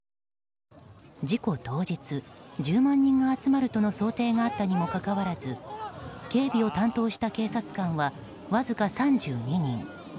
事故当日、１０万人が集まるとの想定があったにも関わらず警備を担当した警察官はわずか３２人。